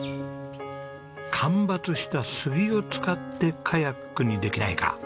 間伐した杉を使ってカヤックにできないか。